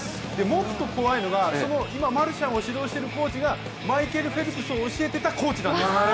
もっと怖いのが、マルシャンを指導しているコーチがマイケル・フェルプスを教えてたコーチなんです。